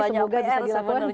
semoga bisa diperkenalkan